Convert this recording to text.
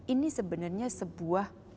ini sebenarnya sebuah